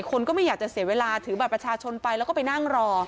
คนก็ไม่อยากจะเสียเวลาถือบัตรประชาชนไปแล้วก็ไปนั่งรอ